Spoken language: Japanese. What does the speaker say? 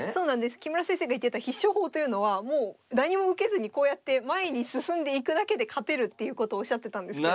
木村先生が言ってた必勝法というのはもう何も受けずにこうやって前に進んでいくだけで勝てるっていうことをおっしゃってたんですけど。